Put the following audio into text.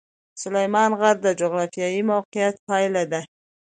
سلیمان غر د جغرافیایي موقیعت پایله ده.